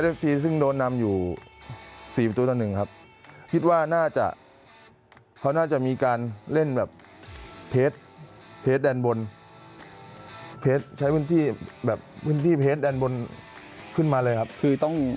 ผมคิดว่าในครึ่งหลัง